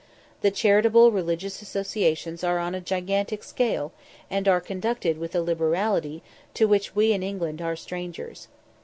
The charitable religious associations are on a gigantic scale, and are conducted with a liberality to which we in England are strangers.